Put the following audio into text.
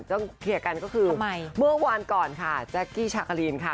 ต้องเคลียร์กันก็คือเมื่อวานก่อนค่ะแจ๊กกี้ชากะลีนค่ะ